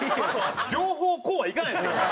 両方こうはいかないですけどね。